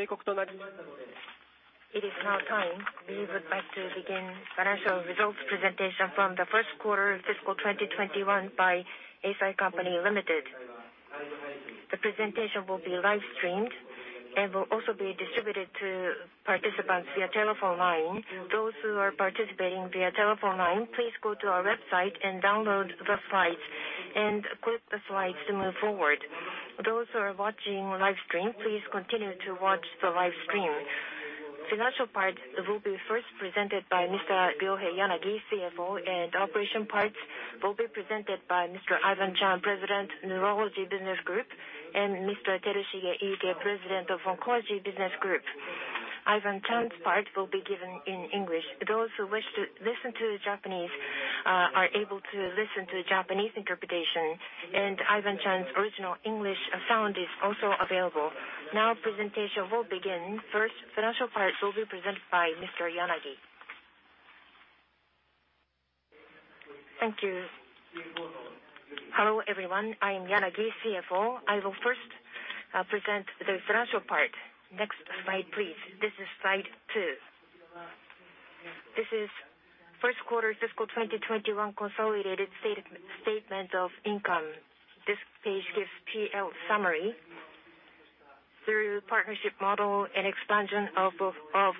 It is now time. We would like to begin financial results presentation from the first quarter fiscal 2021 by Eisai Co Ltd. The presentation will be live-streamed and will also be distributed to participants via telephone line. Those who are participating via telephone line, please go to our website and download the slides and click the slides to move forward. Those who are watching live stream, please continue to watch the live stream. Financial part will be first presented by Mr. Ryohei Yanagi, CFO, and operation parts will be presented by Mr. Ivan Cheung, President, Neurology Business Group, and Mr. Terushige Iike, President of Oncology Business Group. Ivan Cheung's part will be given in English. Those who wish to listen to the Japanese are able to listen to the Japanese interpretation, and Ivan Cheung's original English sound is also available. Now presentation will begin. First, financial part will be presented by Mr. Yanagi. Thank you. Hello, everyone. I am Yanagi, CFO. I will first present the financial part. Next slide, please. This is slide two. This is first quarter fiscal 2021 consolidated statement of income. This page gives PL summary. Through partnership model and expansion of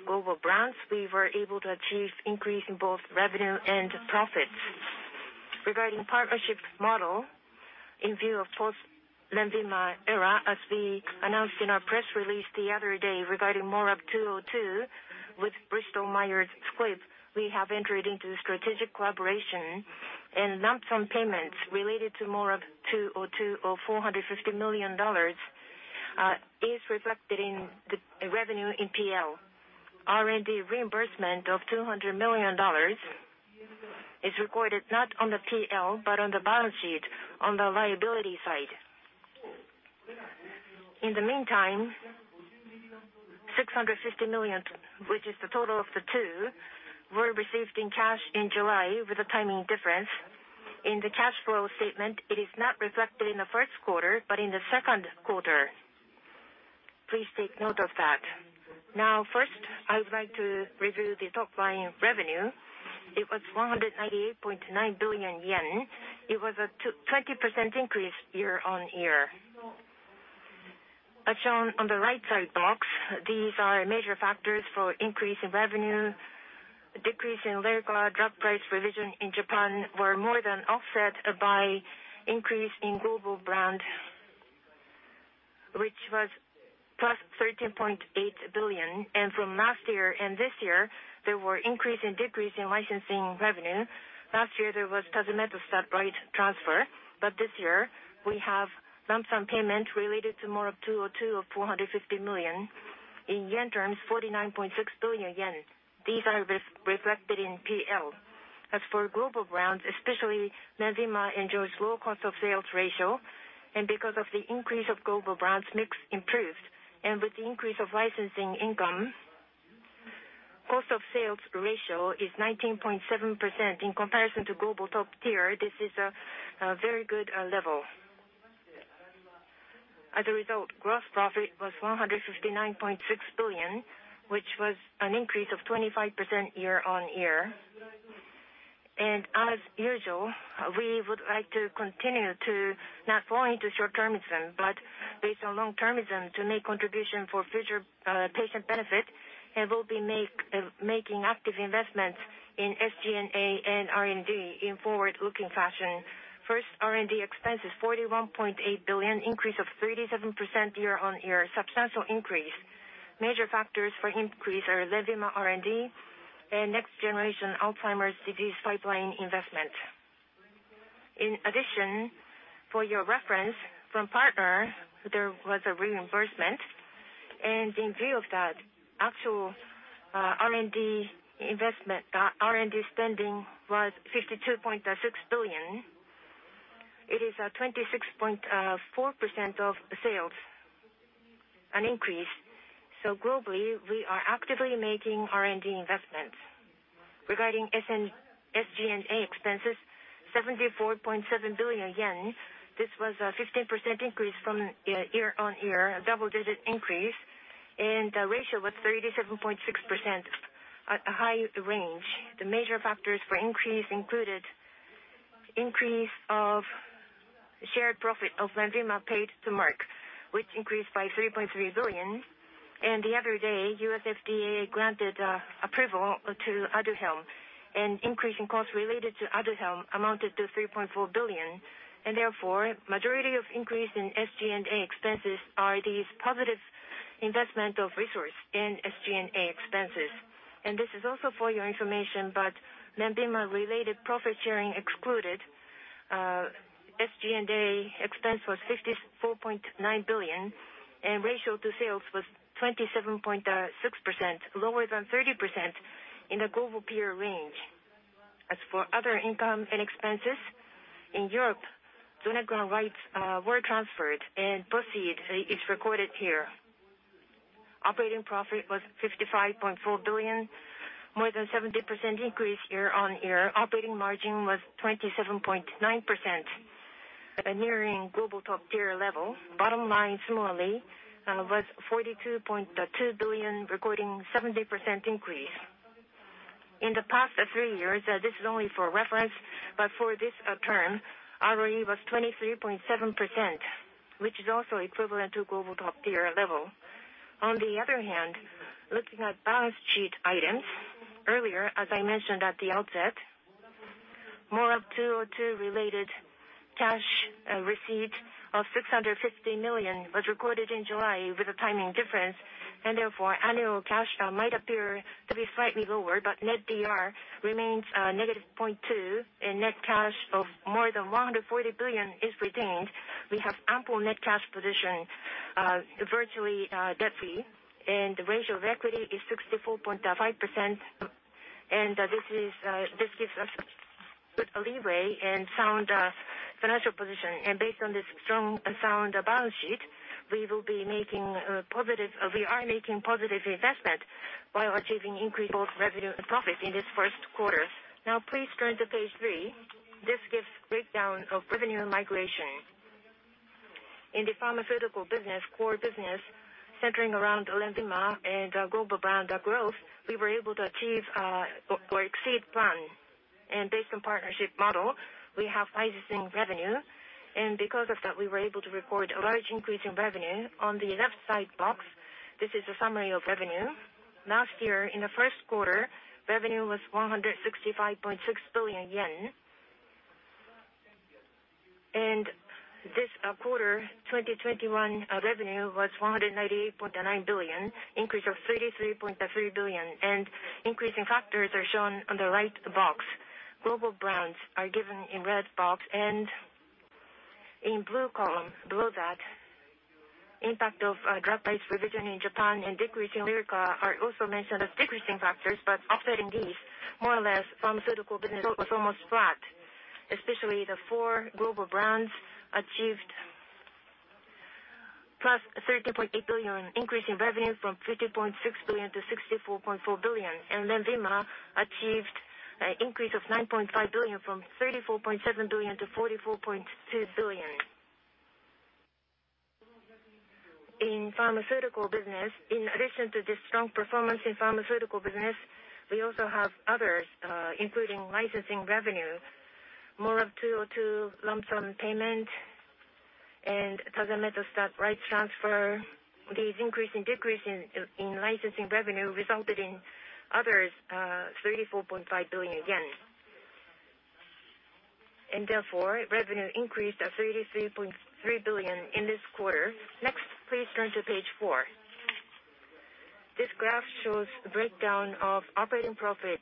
global brands, we were able to achieve increase in both revenue and profits. Regarding partnership model, in view of post-LENVIMA era, as we announced in our press release the other day regarding MORAb-202 with Bristol Myers Squibb, we have entered into strategic collaboration and lump-sum payments related to MORAb-202 of $450 million is reflected in the revenue in PL. R&D reimbursement of $200 million is recorded not on the PL, but on the balance sheet on the liability side. In the meantime, $650 million, which is the total of the two, were received in cash in July with a timing difference. In the cash flow statement, it is not reflected in the first quarter, but in the second quarter. Please take note of that. First, I would like to review the top line revenue. It was 198.9 billion yen. It was a 20% increase year-on-year. As shown on the right-side box, these are major factors for increase in revenue. Decrease in Lyrica drug price revision in Japan were more than offset by increase in global brand, which was +13.8 billion. From last year and this year, there were increase and decrease in licensing revenue. Last year, there was tazemetostat rights transfer, but this year we have lump-sum payment related to MORAb-202 of $450 million. In yen terms, 49.6 billion yen. These are reflected in PL. As for global brands, especially LENVIMA enjoys low cost of sales ratio, and because of the increase of global brands, mix improved. With the increase of licensing income, cost of sales ratio is 19.7%. In comparison to global top tier, this is a very good level. As a result, gross profit was 159.6 billion, which was an increase of 25% year-on-year. As usual, we would like to continue to not only to short-termism, but based on long-termism to make contribution for future patient benefit and will be making active investments in SG&A and R&D in forward-looking fashion. First, R&D expense is 41.8 billion, increase of 37% year-on-year, substantial increase. Major factors for increase are LENVIMA R&D and next-generation Alzheimer's disease pipeline investment. In addition, for your reference, from partner, there was a reimbursement. In view of that, actual R&D investment, R&D spending was 52.6 billion. It is 26.4% of sales, an increase. Globally, we are actively making R&D investments. Regarding SG&A expenses, 74.7 billion yen. This was a 15% increase from year-on-year, a double-digit increase, and the ratio was 37.6%, a high range. The major factors for increase included increase of shared profit of LENVIMA paid to Merck, which increased by 3.3 billion. The other day, U.S. FDA granted approval to ADUHELM, and increase in cost related to ADUHELM amounted to 3.4 billion, and therefore, majority of increase in SG&A expenses are these positive investment of resource in SG&A expenses. This is also for your information, but LENVIMA-related profit sharing excluded, SG&A expense was 54.9 billion and ratio to sales was 27.6%, lower than 30% in the global peer range. As for other income and expenses, in Europe, Zonegran rights were transferred and proceed is recorded here. Operating profit was 55.4 billion, more than 70% increase year-over-year. Operating margin was 27.9%, nearing global top tier level. Bottom line, similarly, was 42.2 billion, recording 70% increase. In the past three years, this is only for reference, but for this term, ROE was 23.7%, which is also equivalent to global top tier level. On the other hand, looking at balance sheet items, earlier, as I mentioned at the outset, MORAb-202 related cash receipt of $650 million was recorded in July with a timing difference, and therefore, annual cash might appear to be slightly lower, but net DER remains -0.2 and net cash of more than 140 billion is retained. We have ample net cash position, virtually debt-free, and the ratio of equity is 64.5%. This gives us good leeway and sound financial position. Based on this strong and sound balance sheet, we are making positive investment while achieving increase both revenue and profit in this first quarter. Now please turn to page three. This gives breakdown of revenue migration. In the pharmaceutical business, core business centering around LENVIMA and our global brand growth, we were able to achieve or exceed plan. Based on partnership model, we have licensing revenue. Because of that, we were able to record a large increase in revenue. On the left side box, this is a summary of revenue. Last year in the first quarter, revenue was 165.6 billion yen. This quarter, 2021 revenue was 198.9 billion, increase of 33.3 billion. Increase in factors are shown on the right box. Global brands are given in red box and in blue column below that. Impact of drug price revision in Japan and decrease in Lyrica are also mentioned as decreasing factors. Offsetting these, more or less pharmaceutical business was almost flat. Especially the four global brands achieved +13.8 billion increase in revenue from 50.6 billion to 64.4 billion, and LENVIMA achieved increase of 9.5 billion from 34.7 billion to 44.2 billion. In pharmaceutical business, in addition to the strong performance in pharmaceutical business, we also have others, including licensing revenue, MORAb-202 lump sum payment, and tazemetostat rights transfer. These increase and decrease in licensing revenue resulted in others, 34.5 billion yen. Therefore, revenue increased 33.3 billion in this quarter. Next, please turn to page four. This graph shows the breakdown of operating profit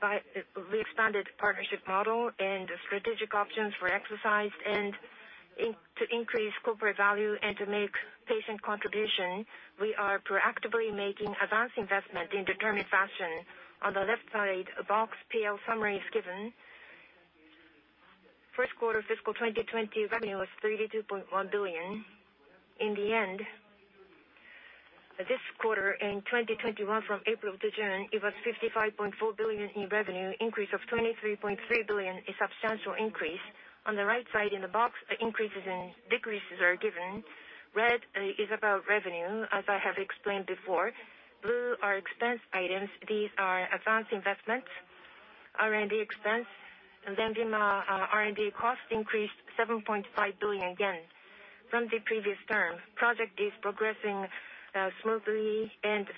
by the expanded partnership model and strategic options were exercised and to increase corporate value and to make patient contribution, we are proactively making advance investment in determined fashion. On the left side box, PL summary is given. First quarter fiscal 2020 revenue was 32.1 billion. In the end, this quarter in 2021, from April to June, it was 55.4 billion in revenue, increase of 23.3 billion, a substantial increase. On the right side in the box, increases and decreases are given. Red is about revenue, as I have explained before. Blue are expense items. These are advance investments, R&D expense, LENVIMA R&D cost increased 7.5 billion yen from the previous term. Project is progressing smoothly.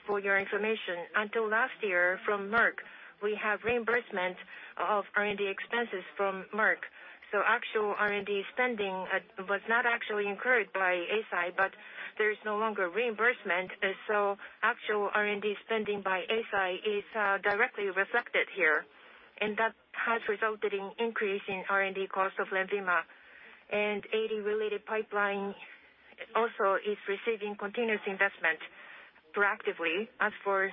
For your information, until last year from Merck, we have reimbursement of R&D expenses from Merck. Actual R&D spending was not actually incurred by Eisai, but there is no longer reimbursement. Actual R&D spending by Eisai is directly reflected here, and that has resulted in increase in R&D cost of LENVIMA. AD related pipeline also is receiving continuous investment proactively. As for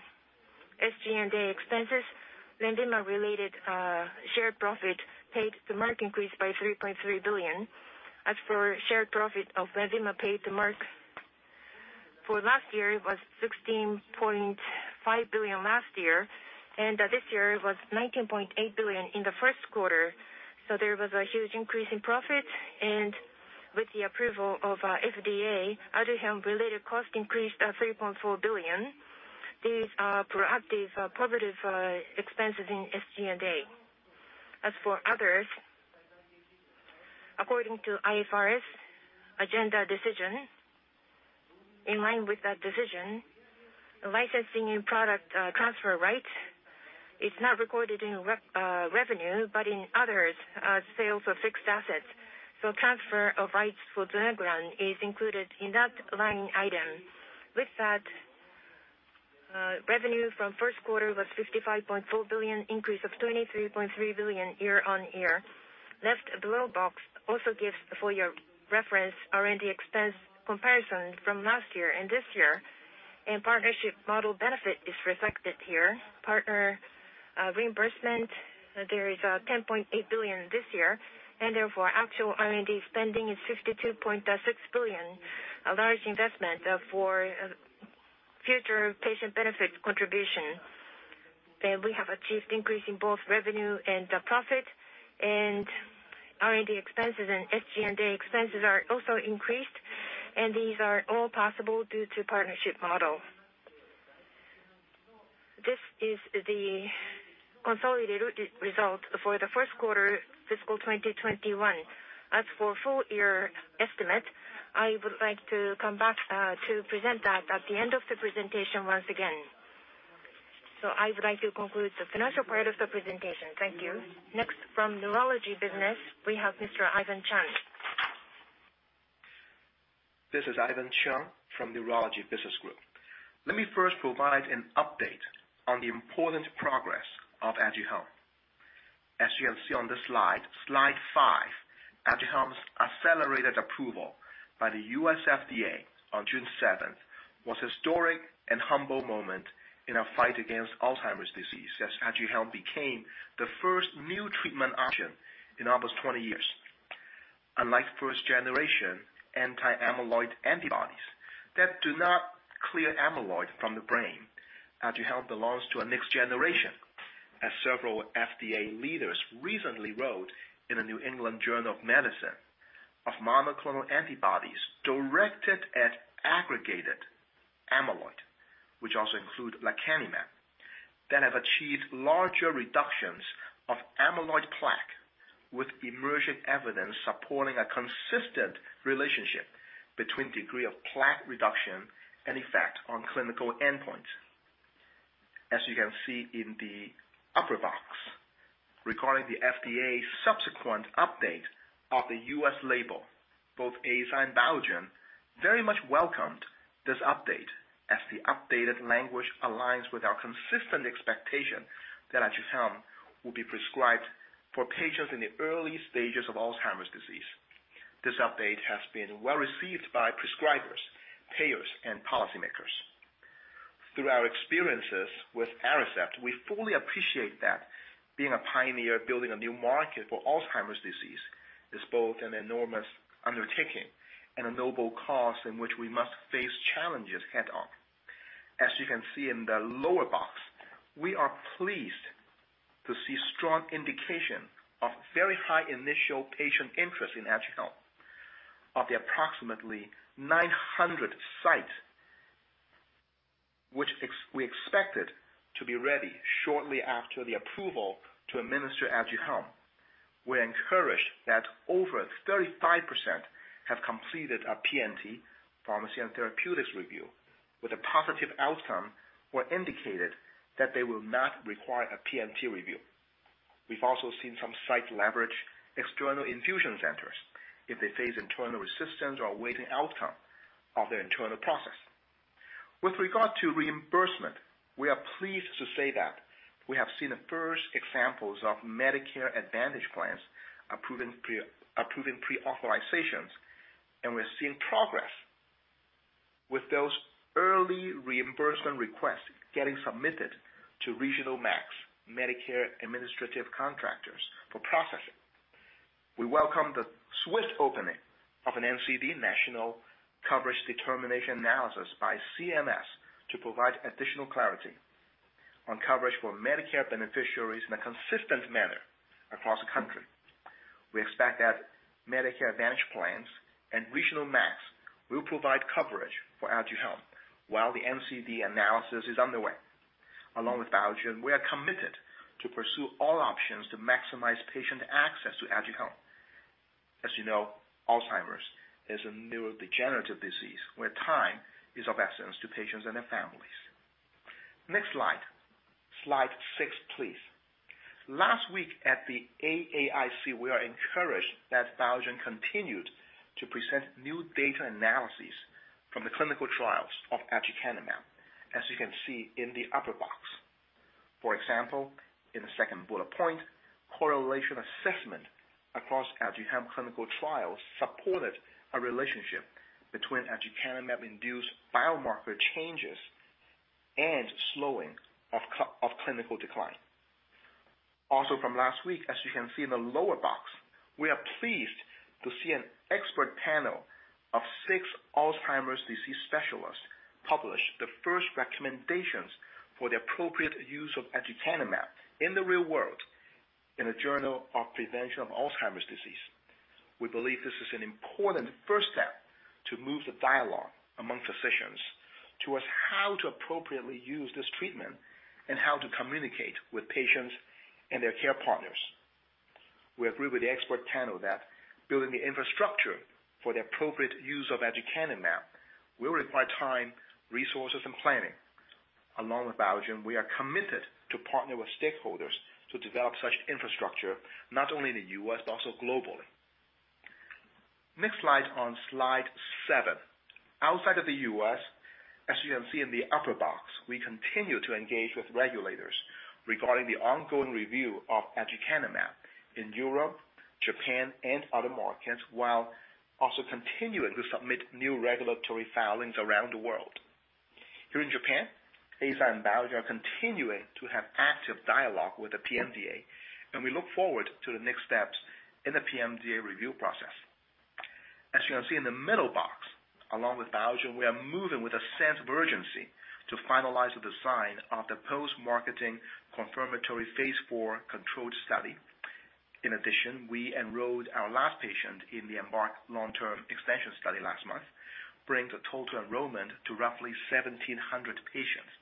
SG&A expenses, LENVIMA-related shared profit paid to Merck increased by 3.3 billion. As for shared profit of LENVIMA paid to Merck, for last year, it was 16.5 billion last year, and this year it was 19.8 billion in the first quarter. There was a huge increase in profit. With the approval of FDA, ADUHELM related cost increased 3.4 billion. These are proactive positive expenses in SG&A. As for others, according to IFRS agenda decision, in line with that decision, licensing in product transfer right is not recorded in revenue, but in others, sales of fixed assets. Transfer of rights for Zonegran is included in that line item. With that, revenue from first quarter was 55.4 billion, increase of 23.3 billion year on year. Left below box also gives for your reference, R&D expense comparison from last year and this year. Partnership model benefit is reflected here. Partner reimbursement, there is 10.8 billion this year, and therefore actual R&D spending is 52.6 billion. A large investment for future patient benefit contribution. We have achieved increase in both revenue and profit and R&D expenses and SG&A expenses are also increased, and these are all possible due to partnership model. This is the consolidated result for the first quarter fiscal 2021. As for full-year estimate, I would like to come back to present that at the end of the presentation once again. I would like to conclude the financial part of the presentation. Thank you. Next, from Neurology Business, we have Ivan Cheung. This is Ivan Cheung from Neurology Business Group. Let me first provide an update on the important progress of ADUHELM. As you can see on this slide five, ADUHELM's accelerated approval by the U.S. FDA on June 7th was a historic and humble moment in our fight against Alzheimer's disease, as ADUHELM became the first new treatment option in almost 20 years. Unlike first generation anti-amyloid antibodies that do not clear amyloid from the brain, ADUHELM belongs to a next generation, as several FDA leaders recently wrote in the New England Journal of Medicine, of monoclonal antibodies directed at aggregated amyloid, which also include lecanemab, that have achieved larger reductions of amyloid plaque with emerging evidence supporting a consistent relationship between degree of plaque reduction and effect on clinical endpoint. As you can see in the upper box, regarding the FDA's subsequent update of the U.S. label, both Eisai and Biogen very much welcomed this update as the updated language aligns with our consistent expectation that ADUHELM will be prescribed for patients in the early stages of Alzheimer's disease. This update has been well-received by prescribers, payers, and policymakers. Through our experiences with Aricept, we fully appreciate that being a pioneer building a new market for Alzheimer's disease is both an enormous undertaking and a noble cause in which we must face challenges head-on. As you can see in the lower box, we are pleased to see strong indication of very high initial patient interest in ADUHELM. Of the approximately 900 sites, which we expected to be ready shortly after the approval to administer ADUHELM, we're encouraged that over 35% have completed a P&T, Pharmacy and Therapeutics review, with a positive outcome or indicated that they will not require a P&T review. We've also seen some sites leverage external infusion centers if they face internal resistance or awaiting outcome of their internal process. With regard to reimbursement, we are pleased to say that we have seen the first examples of Medicare Advantage plans approving pre-authorizations, and we're seeing progress with those early reimbursement requests getting submitted to regional MACs, Medicare Administrative Contractors, for processing. We welcome the swift opening of an NCD, National Coverage Determination analysis by CMS to provide additional clarity on coverage for Medicare beneficiaries in a consistent manner across the country. We expect that Medicare Advantage plans and regional MACs will provide coverage for ADUHELM while the NCD analysis is underway. Along with Biogen, we are committed to pursue all options to maximize patient access to ADUHELM. As you know, Alzheimer's is a neurodegenerative disease where time is of essence to patients and their families. Next slide. Slide six, please. Last week at the AAIC, we are encouraged that Biogen continued to present new data analyses from the clinical trials of aducanumab, as you can see in the upper box. For example, in the second bullet point, correlation assessment across ADUHELM clinical trials supported a relationship between aducanumab-induced biomarker changes and slowing of clinical decline. From last week, as you can see in the lower box, we are pleased to see an expert panel of six Alzheimer's disease specialists publish the first recommendations for the appropriate use of aducanumab in the real world in The Journal of Prevention of Alzheimer's Disease. We believe this is an important first step to move the dialogue among physicians towards how to appropriately use this treatment and how to communicate with patients and their care partners. We agree with the expert panel that building the infrastructure for the appropriate use of aducanumab will require time, resources, and planning. Along with Biogen, we are committed to partner with stakeholders to develop such infrastructure, not only in the U.S., but also globally. Next slide on slide seven. Outside of the U.S., as you can see in the upper box, we continue to engage with regulators regarding the ongoing review of aducanumab in Europe, Japan and other markets, while also continuing to submit new regulatory filings around the world. Here in Japan, Eisai and Biogen are continuing to have active dialogue with the PMDA, and we look forward to the next steps in the PMDA review process. As you can see in the middle box, along with Biogen, we are moving with a sense of urgency to finalize the design of the post-marketing confirmatory phase IV controlled study. In addition, we enrolled our last patient in the EMBARK long-term extension study last month, bringing the total enrollment to roughly 1,700 patients.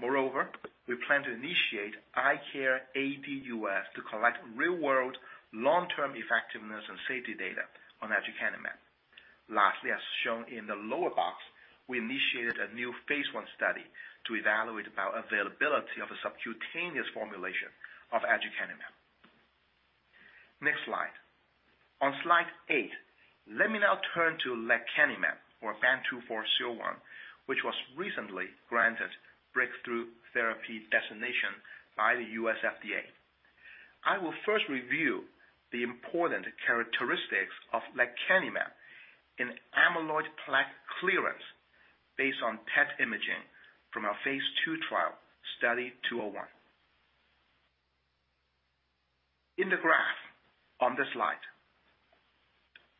Moreover, we plan to initiate ICARE AD-US to collect real-world long-term effectiveness and safety data on aducanumab. Lastly, as shown in the lower box, we initiated a new phase I study to evaluate the availability of a subcutaneous formulation of aducanumab. Next slide. On slide eight, let me now turn to lecanemab or BAN2401, which was recently granted breakthrough therapy designation by the U.S. FDA. I will first review the important characteristics of lecanemab in amyloid plaque clearance based on PET imaging from our phase II trial, Study 201. In the graph on this slide,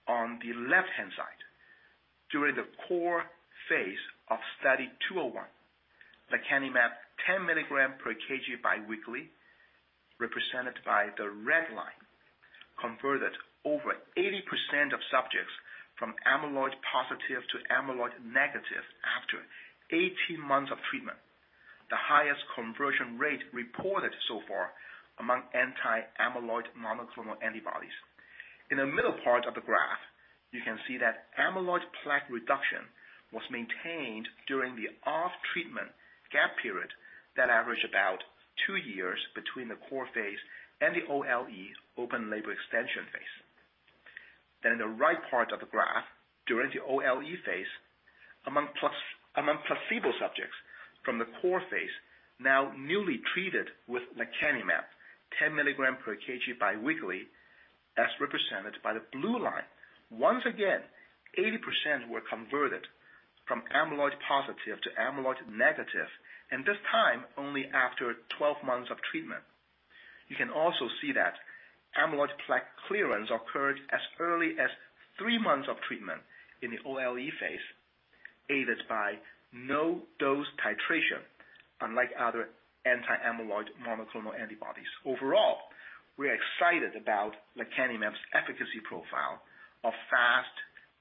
on the left-hand side, during the core phase of Study 201, lecanemab 10 mg/kg biweekly, represented by the red line, converted over 80% of subjects from amyloid positive to amyloid negative after 18 months of treatment, the highest conversion rate reported so far among anti-amyloid monoclonal antibodies. In the middle part of the graph, you can see that amyloid plaque reduction was maintained during the off-treatment gap period that averaged about two years between the core phase and the OLE, open label expansion phase. In the right part of the graph, during the OLE phase, among placebo subjects from the core phase now newly treated with lecanemab 10 mg/kg biweekly, as represented by the blue line, once again, 80% were converted from amyloid positive to amyloid negative, and this time only after 12 months of treatment. You can also see that amyloid plaque clearance occurred as early as three months of treatment in the OLE phase, aided by no dose titration, unlike other anti-amyloid monoclonal antibodies. Overall, we are excited about lecanemab's efficacy profile of fast,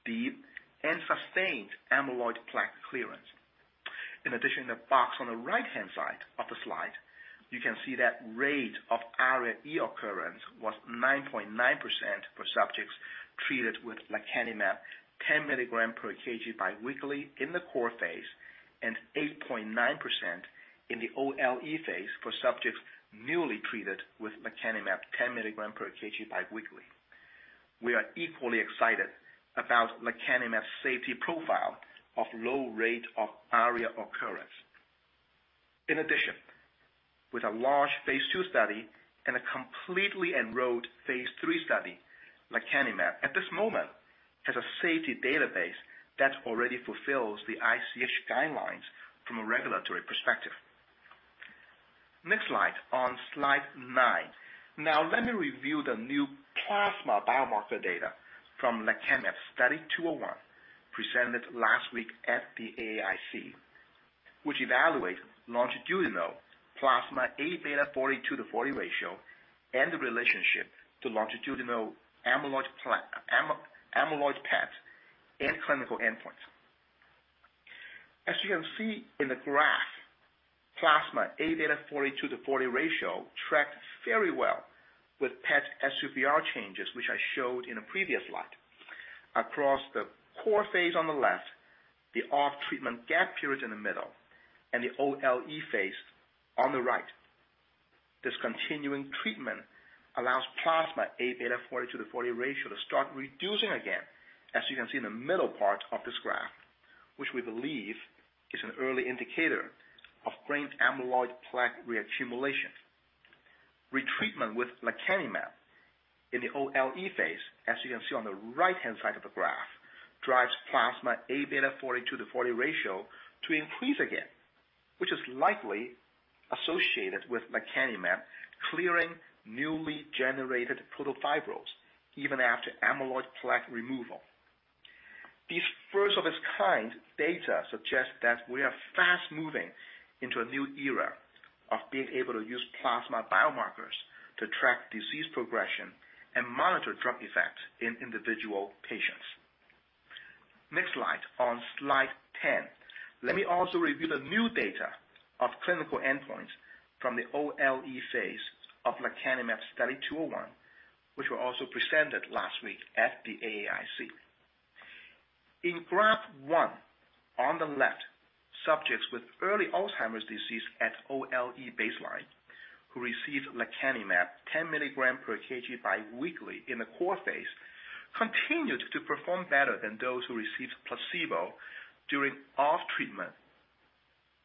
deep and sustained amyloid plaque clearance. The box on the right-hand side of the slide, you can see that rate of ARIA occurrence was 9.9% for subjects treated with lecanemab 10 mg/kg biweekly in the core phase, and 8.9% in the OLE phase for subjects newly treated with lecanemab 10 mg/kg biweekly. We are equally excited about lecanemab's safety profile of low rate of ARIA occurrence. With a large phase II study and a completely enrolled phase III study, lecanemab at this moment has a safety database that already fulfills the ICH guidelines from a regulatory perspective. Next slide. On slide nine. Now let me review the new plasma biomarker data from lecanemab Study 201, presented last week at the AAIC, which evaluates longitudinal plasma Aβ 42/40 ratio and the relationship to longitudinal amyloid PET and clinical endpoints. As you can see in the graph, plasma Aβ 42/40 ratio tracked very well with PET SUVR changes, which I showed in a previous slide. Across the core phase on the left, the off-treatment gap period in the middle, and the OLE phase on the right. Discontinuing treatment allows plasma Aβ 42/40 ratio to start reducing again, as you can see in the middle part of this graph, which we believe is an early indicator of brain amyloid plaque reaccumulation. Retreatment with lecanemab in the OLE phase, as you can see on the right-hand side of the graph, drives plasma Aβ 42/40 ratio to increase again, which is likely associated with lecanemab clearing newly generated protofibrils even after amyloid plaque removal. These first of its kind data suggest that we are fast moving into a new era of being able to use plasma biomarkers to track disease progression and monitor drug effect in individual patients. Next slide. On slide 10, let me also review the new data of clinical endpoints from the OLE phase of lecanemab Study 201, which were also presented last week at the AAIC. In graph one on the left, subjects with early Alzheimer's disease at OLE baseline who received lecanemab 10 mg/kg biweekly in the core phase, continued to perform better than those who received placebo during off-treatment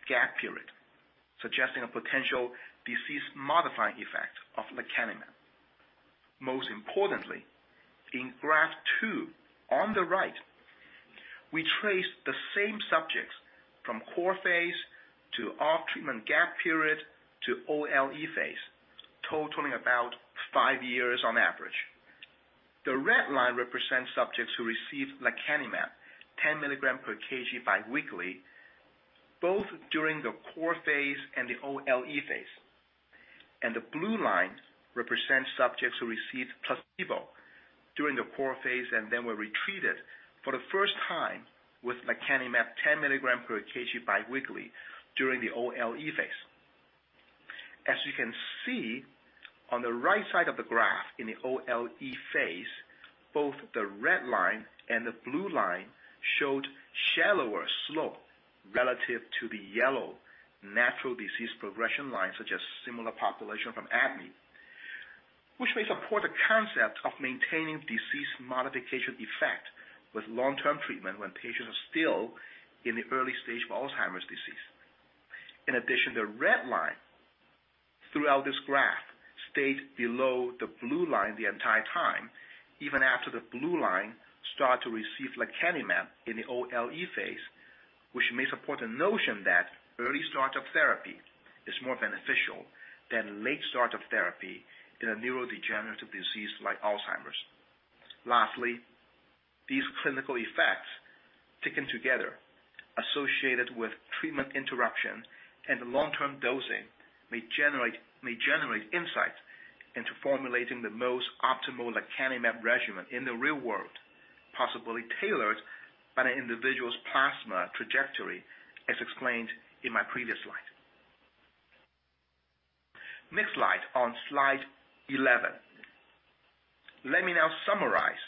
gap period, suggesting a potential disease-modifying effect of lecanemab. Most importantly, in graph two on the right, we traced the same subjects from core phase to off-treatment gap period to OLE phase, totaling about five years on average. The red line represents subjects who received lecanemab 10 mg/kg biweekly, both during the core phase and the OLE phase. The blue line represents subjects who received placebo during the core phase and then were retreated for the first time with lecanemab 10 mg/kg biweekly during the OLE phase. As you can see on the right side of the graph in the OLE phase, both the red line and the blue line showed shallower slope relative to the yellow natural disease progression line, such as similar population from ADNI. Which may support the concept of maintaining disease modification effect with long-term treatment when patients are still in the early stage of Alzheimer's disease. In addition, the red line throughout this graph stayed below the blue line the entire time, even after the blue line start to receive lecanemab in the OLE phase, which may support the notion that early start of therapy is more beneficial than late start of therapy in a neurodegenerative disease like Alzheimer's. Lastly, these clinical effects taken together, associated with treatment interruption and long-term dosing, may generate insight into formulating the most optimal lecanemab regimen in the real world, possibly tailored by an individual's plasma trajectory, as explained in my previous slide. Next slide. On slide 11. Let me now summarize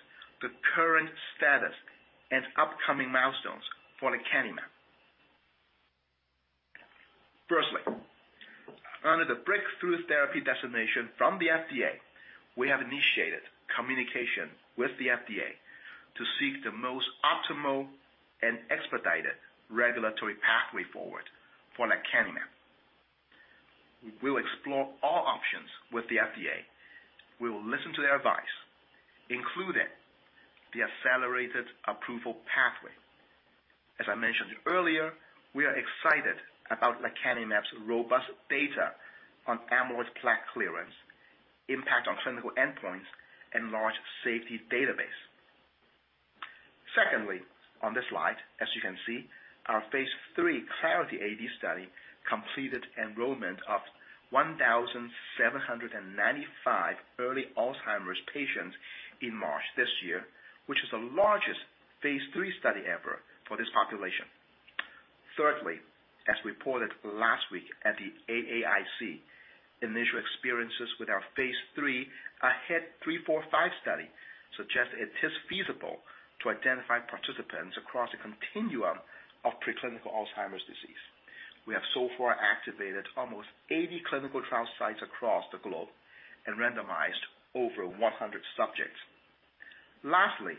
the current status and upcoming milestones for lecanemab. Firstly, under the breakthrough therapy designation from the FDA, we have initiated communication with the FDA to seek the most optimal and expedited regulatory pathway forward for lecanemab. We'll explore all options with the FDA. We will listen to their advice, including the accelerated approval pathway. As I mentioned earlier, we are excited about lecanemab's robust data on amyloid plaque clearance, impact on clinical endpoints, and large safety database. Secondly, on this slide, as you can see, our phase III Clarity AD study completed enrollment of 1,795 early Alzheimer's patients in March this year, which is the largest phase III study ever for this population. Thirdly, as reported last week at the AAIC, initial experiences with our phase III AHEAD 3-45 study suggest it is feasible to identify participants across a continuum of preclinical Alzheimer's disease. We have so far activated almost 80 clinical trial sites across the globe and randomized over 100 subjects. Lastly,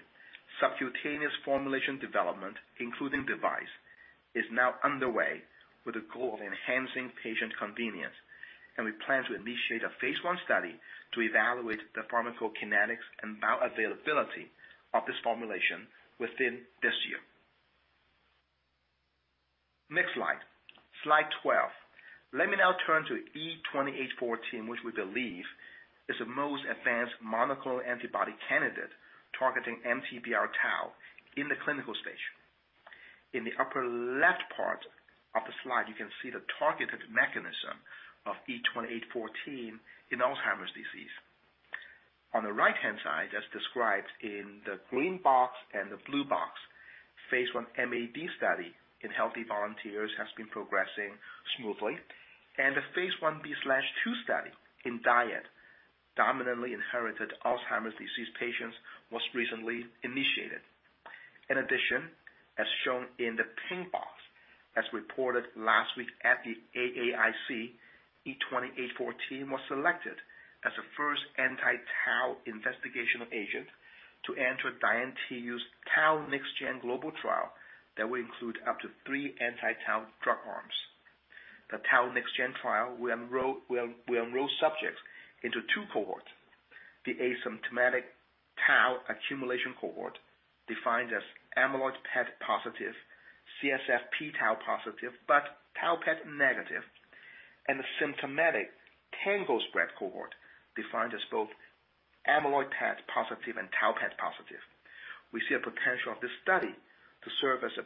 subcutaneous formulation development, including device, is now underway with a goal of enhancing patient convenience, and we plan to initiate a phase I study to evaluate the pharmacokinetics and bioavailability of this formulation within this year. Next slide. Slide 12. Let me now turn to E2814, which we believe is the most advanced monoclonal antibody candidate targeting MTBR-tau in the clinical stage. In the upper left part of the slide, you can see the targeted mechanism of E2814 in Alzheimer's disease. On the right-hand side, as described in the green box and the blue box, phase I MAD study in healthy volunteers has been progressing smoothly, and the phase I-B/II study in DIAD, Dominantly Inherited Alzheimer's disease patients, was recently initiated. In addition, as shown in the pink box, as reported last week at the AAIC, E2814 was selected as the first anti-tau investigational agent to enter DIAN-TU's Tau NexGen global trial that will include up to three anti-tau drug arms. The Tau NexGen trial will enroll subjects into two cohorts: the asymptomatic tau accumulation cohort, defined as amyloid PET positive, CSF p-tau positive, but tau PET negative, and the symptomatic tangle spread cohort defined as both amyloid PET positive and tau PET positive. We see a potential of this study to serve as a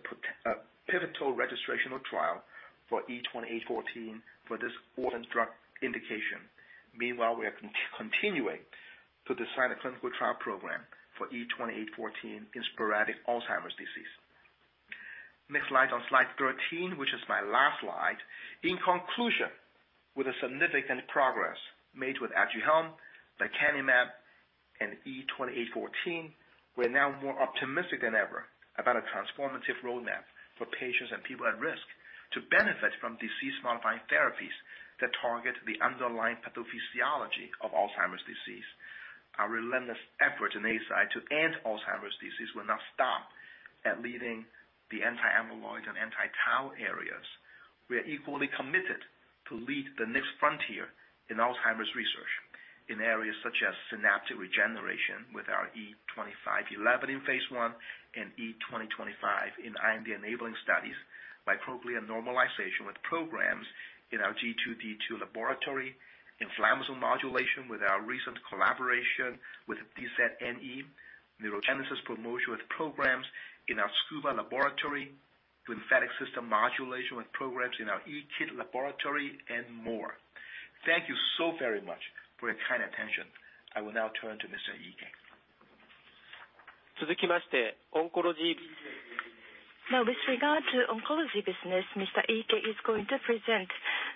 pivotal registrational trial for E2814 for this orphan drug indication. Meanwhile, we are continuing to design a clinical trial program for E2814 in sporadic Alzheimer's disease. Next slide. On slide 13, which is my last slide. In conclusion, with the significant progress made with ADUHELM, lecanemab, and E2814, we are now more optimistic than ever about a transformative roadmap for patients and people at risk to benefit from disease-modifying therapies that target the underlying pathophysiology of Alzheimer's disease. Our relentless effort in Eisai to end Alzheimer's disease will not stop at leading the anti-amyloid and anti-tau areas. We are equally committed to lead the next frontier in Alzheimer's research in areas such as synaptic regeneration with our E2511 in phase I and E2025 in IND-enabling studies, microglia normalization with programs in our G2D2 laboratory, inflammasome modulation with our recent collaboration with DZNE, neurogenesis promotion with programs in our Tsukuba laboratory, lymphatic system modulation with programs in our EKID laboratory, and more. Thank you so very much for your kind attention. I will now turn to Mr. Iike. With regard to oncology business, Mr. Iike is going to present.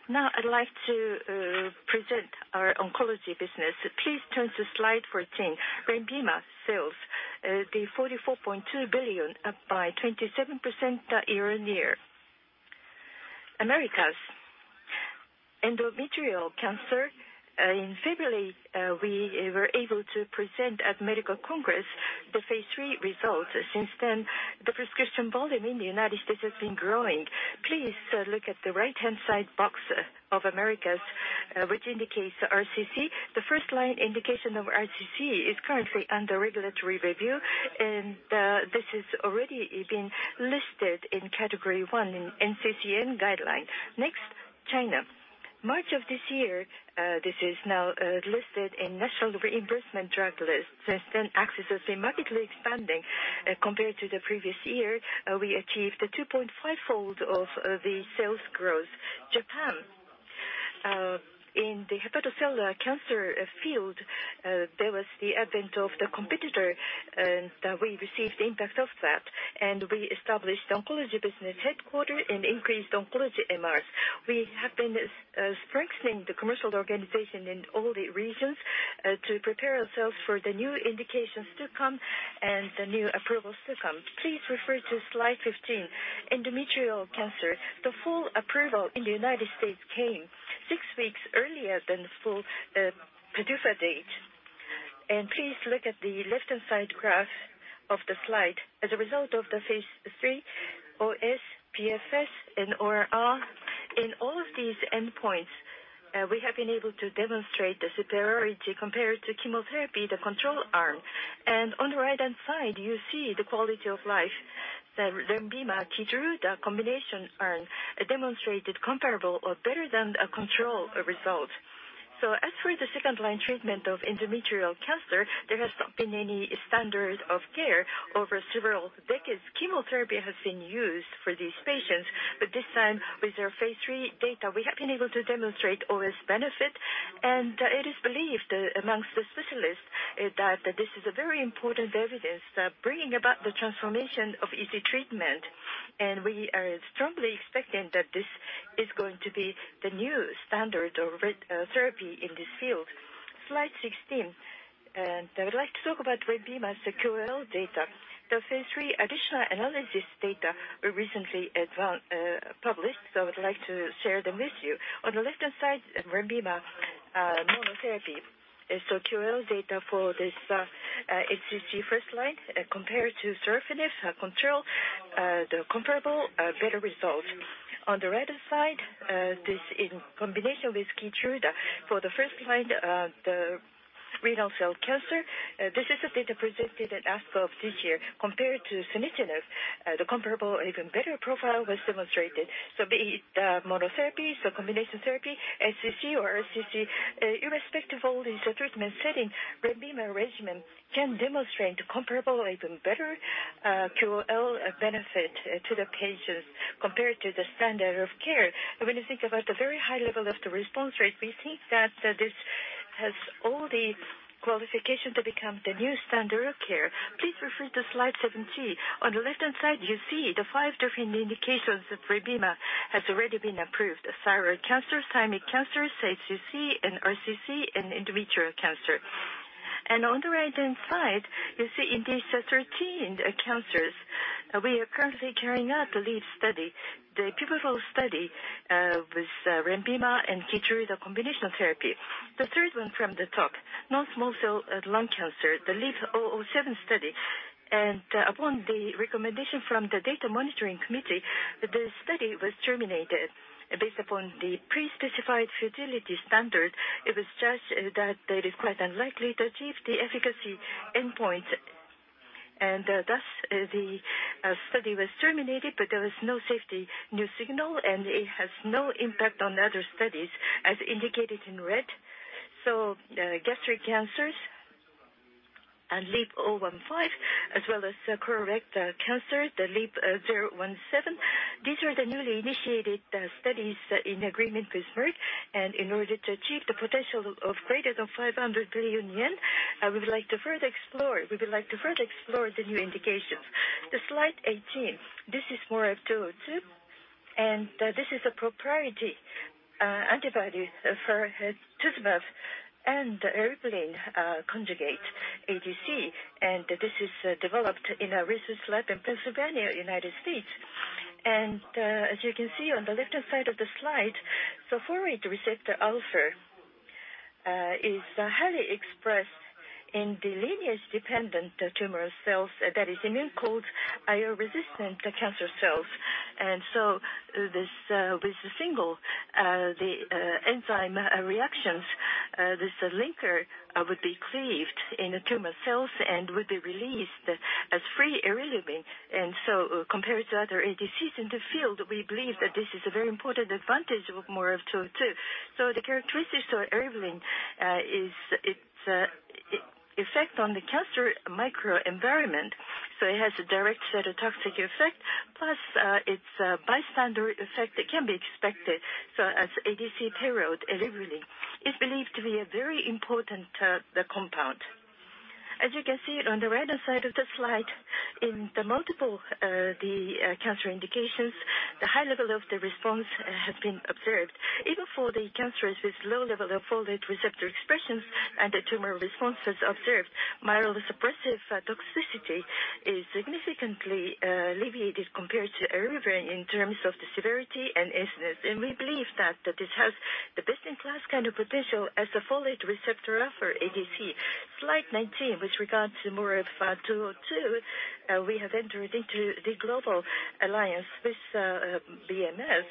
I'd like to present our oncology business. Please turn to slide 14. LENVIMA sales, 44.2 billion, up by 27% year-on-year. Americas. Endometrial cancer. In February, we were able to present at medical congress the phase III results. Since then, the prescription volume in the United States has been growing. Please look at the right-hand side box of Americas, which indicates RCC. The first-line indication of RCC is currently under regulatory review. This has already been listed in Category 1 in NCCN guideline. China. March of this year, this is now listed in national reimbursement drug list. Since then, access is dramatically expanding compared to the previous year. We achieved a 2.5 fold of the sales growth. Japan. In the hepatocellular cancer field, there was the advent of the competitor. We received the impact of that. We established Oncology Business headquarter and increased Oncology MRs. We have been strengthening the commercial organization in all the regions to prepare ourselves for the new indications to come and the new approvals to come. Please refer to slide 15. Endometrial cancer. The full approval in the United States came six weeks earlier than full PDUFA date. Please look at the left-hand side graph of the slide. As a result of the phase III OS, PFS, and ORR, in all of these endpoints, we have been able to demonstrate the superiority compared to chemotherapy, the control arm. On the right-hand side, you see the quality of life that LENVIMA KEYTRUDA combination arm demonstrated comparable or better than a control result. As for the second-line treatment of endometrial cancer, there has not been any standard of care over several decades. Chemotherapy has been used for these patients. This time, with our phase III data, we have been able to demonstrate OS benefit. It is believed amongst the specialists that this is a very important evidence bringing about the transformation of EC treatment. We are strongly expecting that this is going to be the new standard of therapy in this field. Slide 16. I would like to talk about LENVIMA's QOL data. The phase III additional analysis data were recently published, so I would like to share them with you. On the left-hand side, LENVIMA monotherapy. QOL data for this HCC first line compared to sorafenib control, the comparable better result. On the right-hand side, this in combination with KEYTRUDA for the first line of the renal cell cancer. This is the data presented at ASCO of this year. Compared to sunitinib, the comparable or even better profile was demonstrated. Be it monotherapy, so combination therapy, HCC or RCC, irrespective of all these treatment setting, LENVIMA regimen can demonstrate comparable or even better QOL benefit to the patients compared to the standard of care. When you think about the very high level of the response rate, we think that this has all the qualification to become the new standard of care. Please refer to slide 17. On the left-hand side, you see the five different indications of LENVIMA has already been approved. Thyroid cancer, thymic cancer, HCC, and RCC, and endometrial cancer. On the right-hand side, you see in these 13 cancers, we are currently carrying out the LEAP study, the pivotal study with LENVIMA and KEYTRUDA combinational therapy. The third one from the top, non-small cell lung cancer, the LEAP-007 study. Upon the recommendation from the Data Monitoring Committee, the study was terminated based upon the pre-specified futility standard. It was judged that it is quite unlikely to achieve the efficacy endpoint. Thus, the study was terminated, but there was no safety new signal, and it has no impact on other studies as indicated in red. Gastric cancers and LEAP-015 as well as colorectal cancer, the LEAP-017. These are the newly initiated studies in agreement with Merck. In order to achieve the potential of greater than 500 billion yen, we would like to further explore the new indications. The slide 18. This is MORAb-202, this is a proprietary antibody for farletuzumab and eribulin conjugate ADC, this is developed in our research lab in Pennsylvania, United States. As you can see on the left-hand side of the slide, the folate receptor alpha is highly expressed in the lineage-dependent tumor cells. That is immune-cold, IO-resistant cancer cells. This single, the enzyme reactions, this linker would be cleaved in the tumor cells and would be released as free eribulin. Compared to other ADCs in the field, we believe that this is a very important advantage of MORAb-202. The characteristic to eribulin is its effect on the cancer microenvironment. It has a direct cytotoxic effect, plus its bystander effect can be expected. As ADC payload eribulin is believed to be a very important compound. As you can see on the right-hand side of the slide, in the multiple cancer indications, the high level of the response has been observed. Even for the cancers with low level of folate receptor expressions, the tumor response was observed. Myelosuppressive toxicity is significantly alleviated compared to eribulin in terms of the severity and incidence. We believe that this has the best-in-class kind of potential as a folate receptor alpha ADC. Slide 19. With regard to MORAb-202, we have entered into the global alliance with BMS.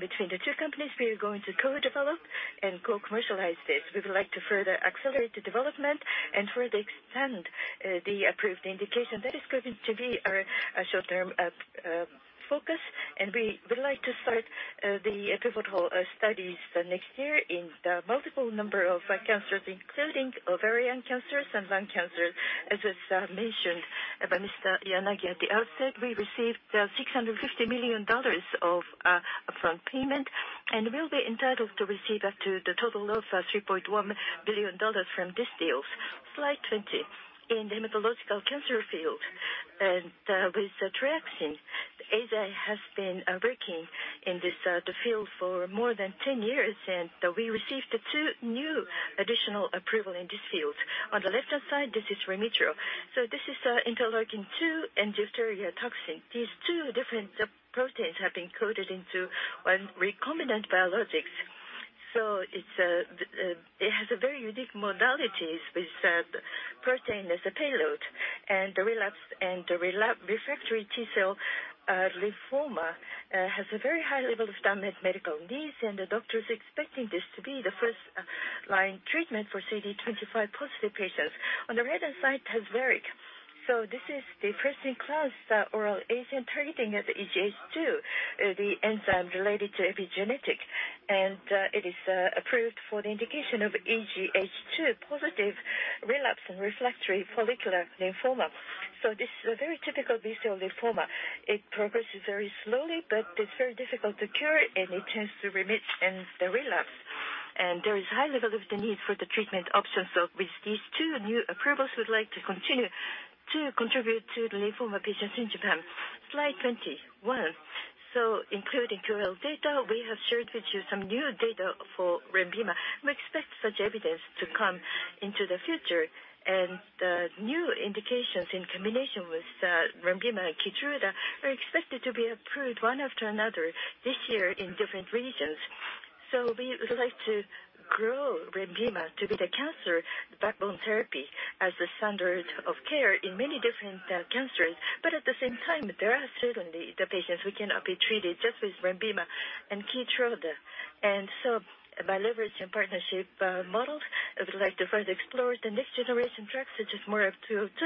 Between the two companies, we are going to co-develop and co-commercialize this. We would like to further accelerate the development and further extend the approved indication. That is going to be our short-term focus, we would like to start the pivotal studies the next year in the multiple number of cancers, including ovarian cancers and lung cancer. As is mentioned by Mr. Yanagi at the outset, we received $650 million of upfront payment, and we'll be entitled to receive up to the total of $3.1 billion from this deal. Slide 20. In the hematological cancer field and with traction, Eisai has been working in this field for more than 10 years, and we received two new additional approval in this field. On the left-hand side, this is Remitoro. This is interleukin-2 and diphtheria toxin. These two different proteins have been coded into one recombinant biologics. It has a very unique modalities with protein as a payload. The relapsed and refractory T-cell lymphoma has a very high level of unmet medical needs, and the doctor is expecting this to be the first-line treatment for CD25-positive patients. On the right-hand side, Tazverik. This is the first-in-class oral agent targeting the EZH2, the enzyme related to epigenetic, and it is approved for the indication of EZH2 positive relapse and refractory follicular lymphoma. This is a very typical B-cell lymphoma. It progresses very slowly, but it's very difficult to cure, and it tends to remit and then relapse. There is high level of the need for the treatment options. With these two new approvals, we would like to continue to contribute to the lymphoma patients in Japan. Slide 21. Including QOL data, we have shared with you some new data for LENVIMA. We expect such evidence to come into the future, and new indications in combination with LENVIMA and KEYTRUDA are expected to be approved one after another this year in different regions. We would like to grow LENVIMA to be the cancer backbone therapy as the standard of care in many different cancers. At the same time, there are certainly the patients who cannot be treated just with LENVIMA and KEYTRUDA. By leveraging partnership models, we would like to further explore the next-generation drugs such as MORAb-202,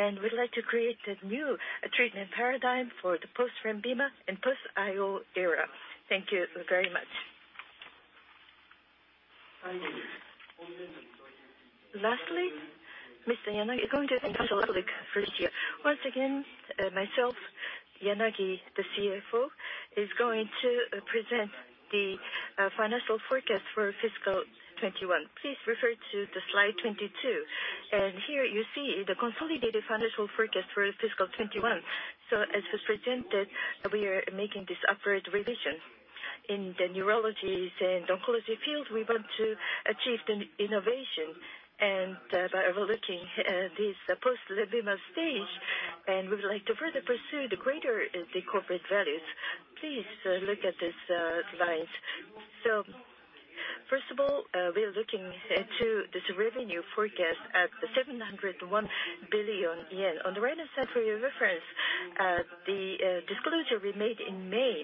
and we'd like to create a new treatment paradigm for the post-LENVIMA and post-IO era. Thank you very much. Mr. Yanagi is going to explain the financial outlook for this year. Once again, myself, Yanagi, the CFO, is going to present the financial forecast for fiscal 2021. Please refer to slide 22. Here you see the consolidated financial forecast for fiscal 2021. As was presented, we are making this upward revision. In the neurologies and oncology field, we want to achieve the innovation by overlooking this post-LENVIMA stage, we would like to further pursue the greater the corporate values. Please look at this slide. First of all, we're looking into this revenue forecast at the 701 billion yen. On the right-hand side for your reference, the disclosure we made in May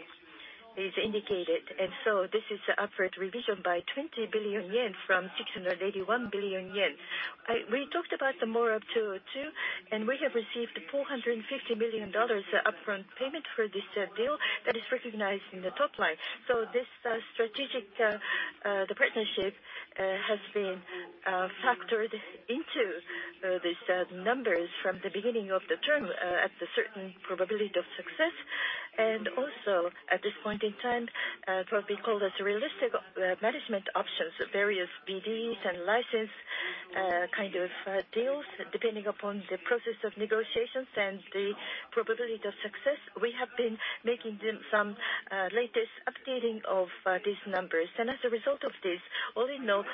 is indicated, this is the upward revision by 20 billion yen from 681 billion yen. We talked about the MORAb-202, we have received $450 million upfront payment for this deal that is recognized in the top line. This strategic partnership has been factored into these numbers from the beginning of the term at the certain probability of success. At this point in time, what we call as realistic management options, various BDs and license kind of deals, depending upon the process of negotiations and the probability of success. We have been making some latest updating of these numbers. As a result of this, all in all,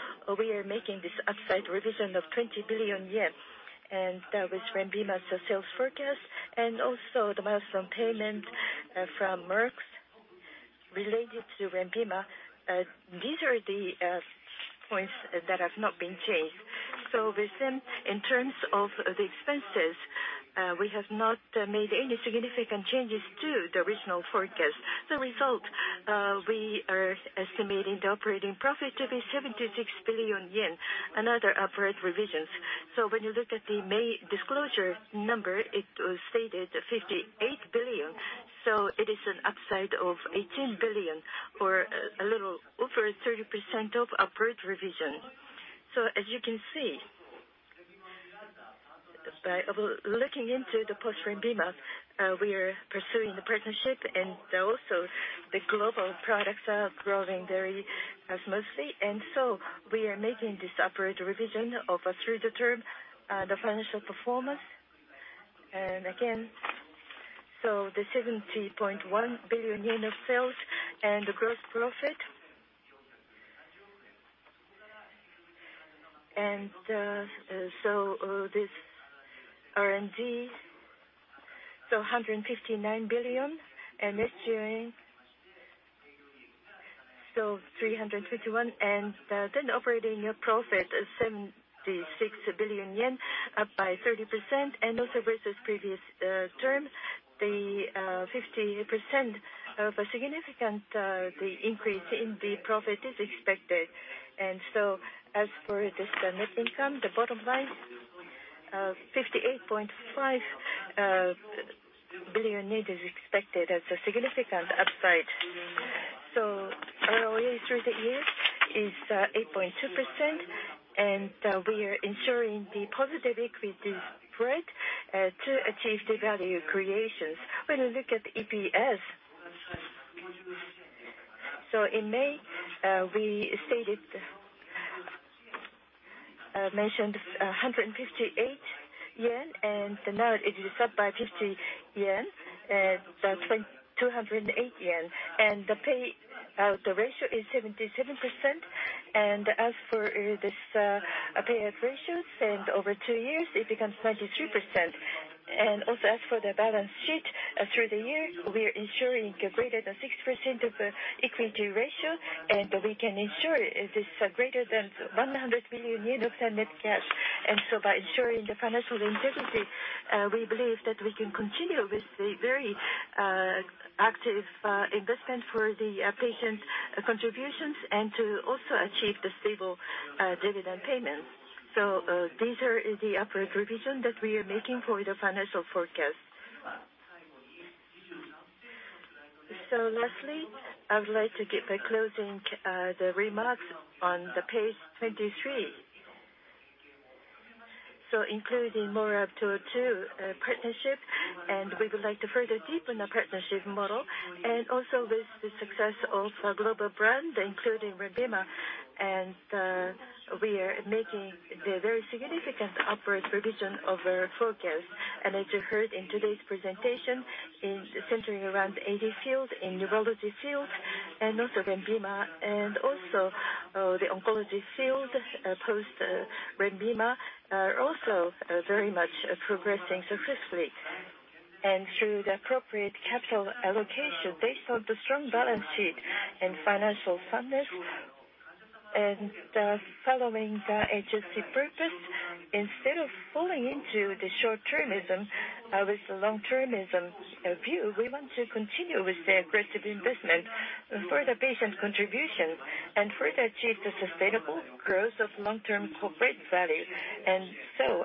we are making this upside revision of 20 billion yen. That was LENVIMA sales forecast, and also the milestone payment from Merck related to LENVIMA. These are the points that have not been changed. In terms of the expenses, we have not made any significant changes to the original forecast. The result, we are estimating the operating profit to be 76 billion yen, another upward revision. When you look at the May disclosure number, it stated 58 billion. It is an upside of 18 billion or a little over 30% of upward revision. As you can see, by looking into the post LENVIMA, we are pursuing the partnership and also the global products are growing very smoothly. We are making this upward revision of, through the term, the financial performance. The 70.1 billion yen of sales and the gross profit. This R&D, 159 billion and SG&A, so 351 billion, and then operating profit is 76 billion yen, up by 30%. Versus previous term, the 50% of a significant increase in the profit is expected. As for this net income, the bottom line of 58.5 billion is expected as a significant upside. ROE through the year is 8.2%, and we are ensuring the positive equity spread to achieve the value creations. When you look at EPS, so in May, we mentioned 158 yen, and now it is up by 50 yen, 208 yen. The payout ratio is 77%. As for this payout ratio, over two years, it becomes 93%. Also as for the balance sheet, through the year, we are ensuring a greater than 6% of equity ratio, and we can ensure this greater than 100 billion yen of net cash. By ensuring the financial integrity, we believe that we can continue with the very active investment for the patient contributions and to also achieve the stable dividend payments. These are the upward revision that we are making for the financial forecast. Lastly, I would like to give a closing remarks on page 23. Including MORAb-202 partnership, we would like to further deepen the partnership model and also with the success of global brand, including LENVIMA. We are making the very significant upward revision of our forecast. As you heard in today's presentation, centering around AD field, in neurology field and also LENVIMA, the oncology field post LENVIMA are also very much progressing successfully. Through the appropriate capital allocation based on the strong balance sheet and financial soundness and following the agency purpose, instead of falling into the short-termism, with the long-termism view, we want to continue with the aggressive investment for the patient contributions and further achieve the sustainable growth of long-term corporate value.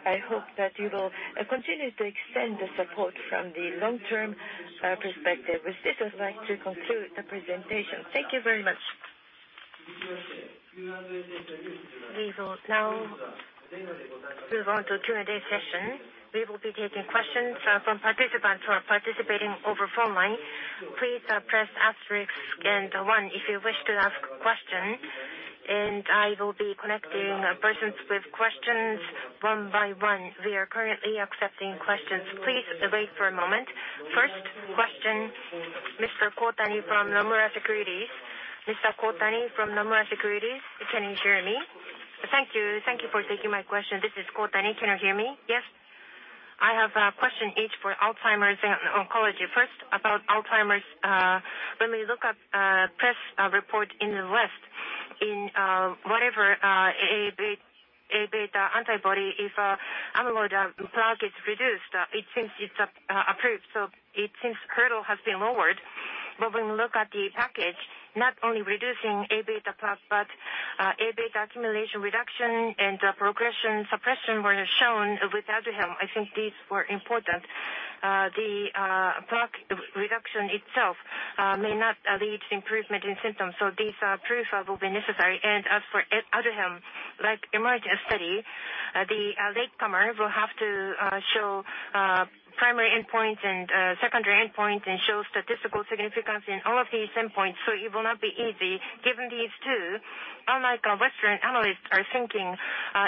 I hope that you will continue to extend the support from the long-term perspective. With this, I'd like to conclude the presentation. Thank you very much. We will now move on to Q&A session. We will be taking questions from participants who are participating over phone line. Please press asterisk and one if you wish to ask questions, and I will be connecting persons with questions one by one. We are currently accepting questions. Please wait for a moment. First question, Mr. Kohtani from Nomura Securities. Mr. Kohtani from Nomura Securities, can you hear me? Thank you. Thank you for taking my question. This is Kohtani. Can you hear me? Yes. I have a question each for Alzheimer's and oncology. First, about Alzheimer's. When we look at press report in the West, in whatever Aβ antibody, if amyloid plaque is reduced, it seems it's approved. It seems hurdle has been lowered. When we look at the package, not only reducing Aβ plaque, but Aβ accumulation reduction and progression suppression were shown with ADUHELM. I think these were important. The plaque reduction itself may not lead to improvement in symptoms. These approval will be necessary. As for ADUHELM, like EMERGE study, the latecomer will have to show primary endpoints and secondary endpoints and show statistical significance in all of these endpoints so it will not be easy. Given these two, unlike western analysts are thinking,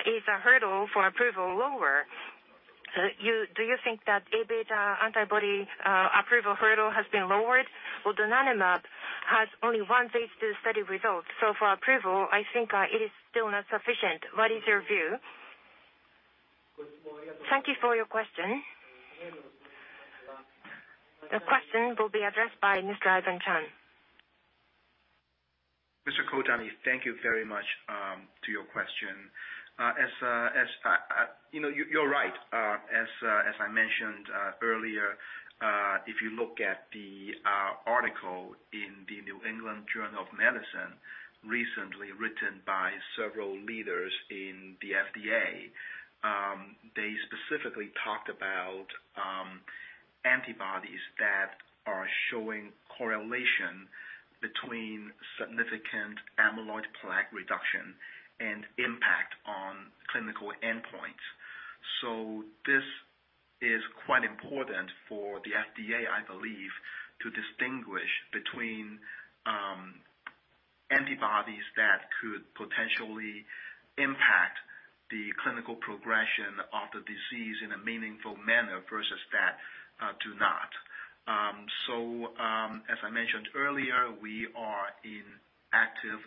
is a hurdle for approval lower? Do you think that Aβ antibody approval hurdle has been lowered? donanemab has only one phase II study result. For approval, I think it is still not sufficient. What is your view? Thank you for your question. The question will be addressed by Mr. Ivan Cheung. Mr. Kohtani, thank you very much to your question. You're right. As I mentioned earlier, if you look at the article in the New England Journal of Medicine, recently written by several leaders in the FDA, they specifically talked about antibodies that are showing correlation between significant amyloid plaque reduction and impact on clinical endpoints. This is quite important for the FDA, I believe, to distinguish between antibodies that could potentially impact the clinical progression of the disease in a meaningful manner versus that do not. As I mentioned earlier, we are in active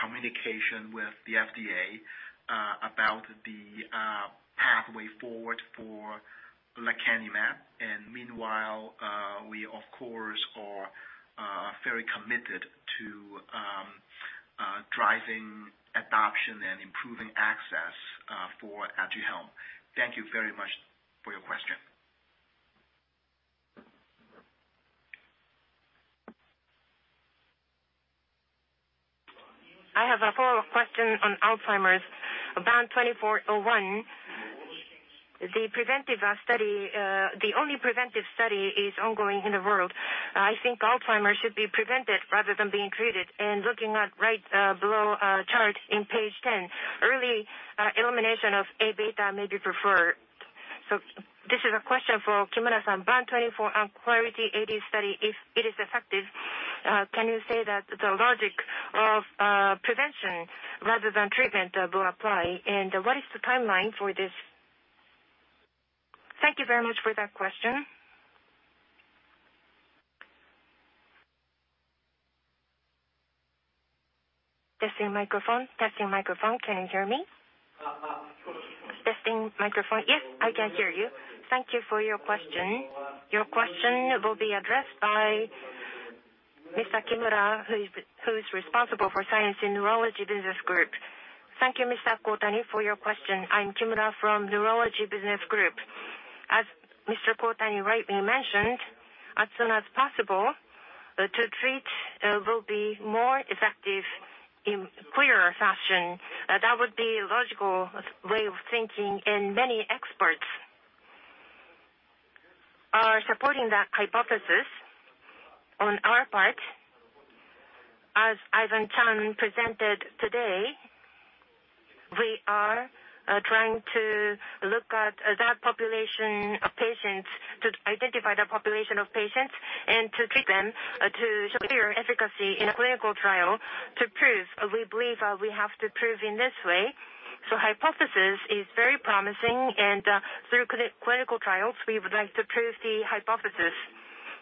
communication with the FDA about the pathway forward for lecanemab, and meanwhile, we of course, are very committed to driving adoption and improving access for ADUHELM. Thank you very much for your question. I have a follow-up question on Alzheimer's. BAN2401, the only preventive study is ongoing in the world. I think Alzheimer's should be prevented rather than being treated. Looking at right below chart on page 10, early elimination of Aβ may be preferred. This is a question for Kimura. BAN2401 Clarity AD study, if it is effective, can you say that the logic of prevention rather than treatment will apply? What is the timeline for this? Thank you very much for that question. Testing microphone. Can you hear me? Testing microphone. Yes, I can hear you. Thank you for your question. Your question will be addressed by Kimura, who is responsible for science and Neurology Business Group. Thank you, Kohtani, for your question. I'm Kimura from Neurology Business Group. As Mr. Kohtani rightly mentioned, as soon as possible to treat will be more effective in clearer fashion. That would be a logical way of thinking. Many experts are supporting that hypothesis. On our part, as Ivan Cheung presented today, we are trying to look at that population of patients to identify the population of patients and to treat them to show clear efficacy in a clinical trial to prove. We believe we have to prove in this way. The hypothesis is very promising and through clinical trials, we would like to prove the hypothesis.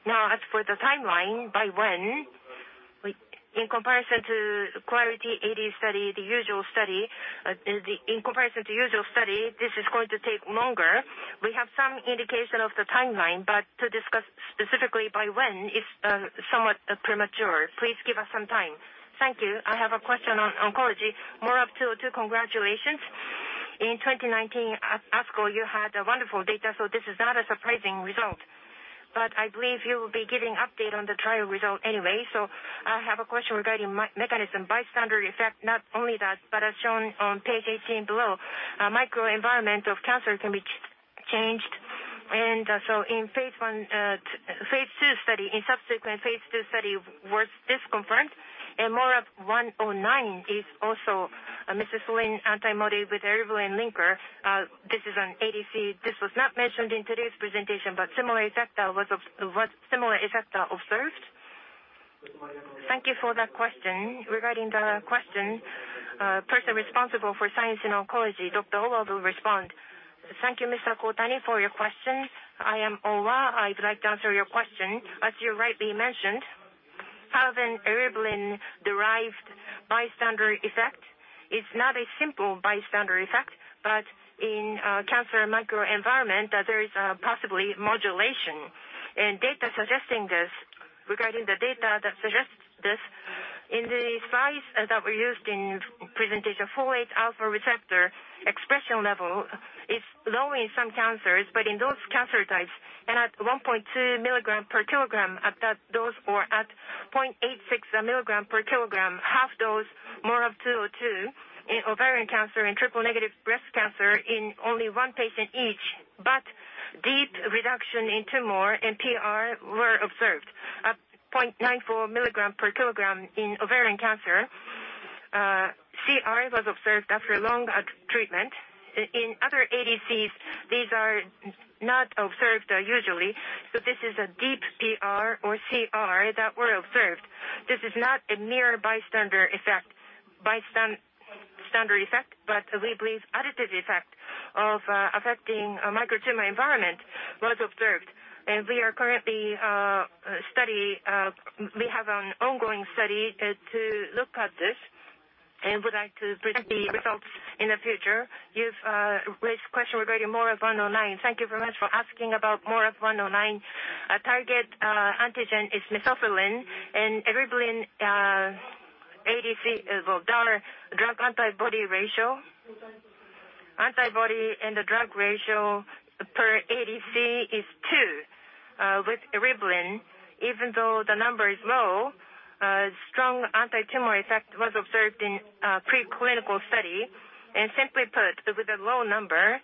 As for the timeline by when, in comparison to Clarity AD study, the usual study, in comparison to the usual study, this is going to take longer. We have some indication of the timeline. To discuss specifically by when is somewhat premature. Please give us some time. Thank you. I have a question on oncology. MORAb-202, congratulations. In 2019, at ASCO, you had wonderful data, so this is not a surprising result. I believe you will be giving an update on the trial result anyway. I have a question regarding mechanism. Bystander effect, not only that, but as shown on page 18 below, microenvironment of cancer can be changed. In subsequent phase II study was this confirmed? MORAb-109 is also a mesothelin antibody with eribulin linker. This is an ADC. This was not mentioned in today's presentation, but similar effect was observed? Thank you for that question. Regarding the question, person responsible for science and oncology, Dr. Owa, will respond. Thank you, Mr. Kohtani, for your question. I am Owa. I would like to answer your question. As you rightly mentioned, having eribulin-derived bystander effect is not a simple bystander effect, but in cancer microenvironment, there is possibly modulation. Regarding the data that suggests this, in the slides that were used in presentation, folate receptor alpha expression level is low in some cancers, but in those cancer types and at 1.2 mg/kg at that dose, or at 0.86 mg/kg, half dose, MORAb-202 in ovarian cancer, in triple-negative breast cancer in only one patient each. Deep reduction in tumor and PR were observed at 0.94 mg/kg in ovarian cancer. CR was observed after longer treatment. In other ADCs, these are not observed usually. This is a deep PR or CR that were observed. This is not a mere bystander effect, but we believe additive effect of affecting a micro tumor environment was observed. We are currently studying. We have an ongoing study to look at this and would like to present the results in the future. You've raised question regarding MORAb-109. Thank you very much for asking about MORAb-109. Target antigen is mesothelin and eribulin ADC, drug antibody ratio. Antibody and the drug ratio per ADC is two. With eribulin, even though the number is low, strong antitumor effect was observed in preclinical study. Simply put, with a low number,